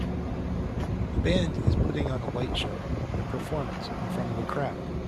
A band is putting on a light show and a performance in front of a crowd.